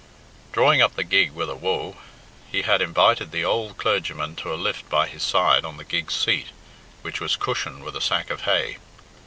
Drawing up the gig with a "Woa!" he had invited the old clergyman to a lift by his side on the gig's seat, which was cushioned with a sack of hay.